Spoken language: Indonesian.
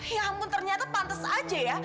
ya ampun ternyata pantes aja ya